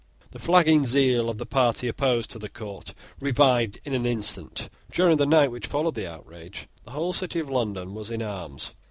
The flagging zeal of the party opposed to the court revived in an instant. During the night which followed the outrage the whole city of London was in arms.